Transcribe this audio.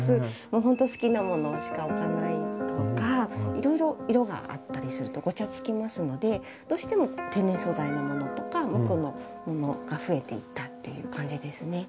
ほんと好きなものしか置かないとかいろいろ色があったりするとごちゃつきますのでどうしても天然素材のものとか無垢のものが増えていったっていう感じですね。